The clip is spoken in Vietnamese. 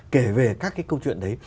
kể về các cái câu chuyện đấy